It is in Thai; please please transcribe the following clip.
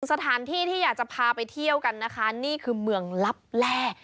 สถานที่ที่อยากจะพาไปเที่ยวกันนะคะนี่คือเมืองลับแร่